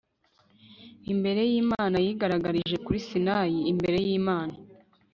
imbere y'imana yigaragarije kuri sinayi, imbere y'imana